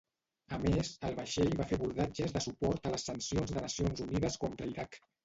A més, el vaixell va fer abordatges de suport a les sancions de Nacions Unides contra Iraq.